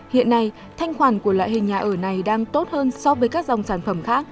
hiện nay thanh khoản của loại hình nhà ở này đang tốt hơn so với các dòng sản phẩm khác